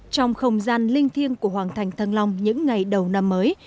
trong không gian linh thiêng của hoàng thành thăng long những ngày đầu năm mới